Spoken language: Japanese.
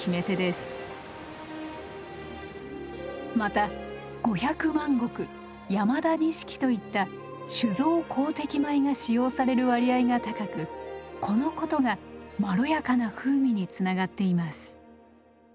また五百万石山田錦といった酒造好適米が使用される割合が高くこのことがまろやかな風味につながっています。